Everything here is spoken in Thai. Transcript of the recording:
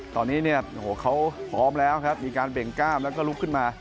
ตอนนี้เขาพร้อมแล้วมีการเบ่งก้ามแล้วก็ลุกขึ้นมา